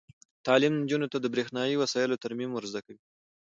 تعلیم نجونو ته د برښنايي وسایلو ترمیم ور زده کوي.